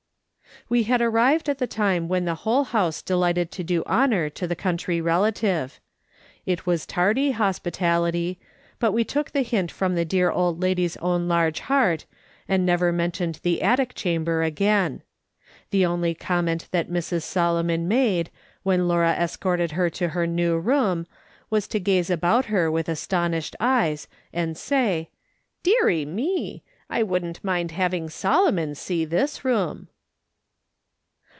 We had arrived at the time when the whole house delighted to do honour to the country relative. It was tardy hospitality, but we took the hint from the dear old lady's own large heart, and never mentioned the attic chamber again. The only comment that Mrs. Solomon made, when Laura escorted her to her new room, was to gaze about her with astonished eyes, and say : "Deary mel I wouldn't mind having Solomon see this room."